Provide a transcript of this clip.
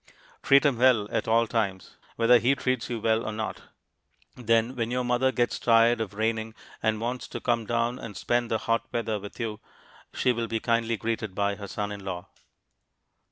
Treat him well at all times, whether he treats you well or not; then when your mother gets tired of reigning and wants to come down and spend the hot weather with you, she will be kindly greeted by her son in law.